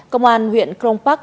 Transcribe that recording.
công an huyện crong park